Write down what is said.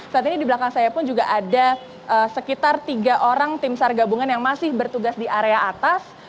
saat ini di belakang saya pun juga ada sekitar tiga orang tim sar gabungan yang masih bertugas di area atas